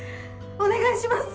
お願いします